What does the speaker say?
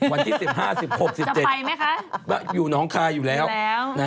วันที่สิบห้าสิบหกสิบเจ็ดจะไปไหมคะอยู่น้องคายอยู่แล้วอยู่แล้ว